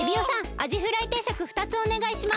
アジフライ定食ふたつおねがいします。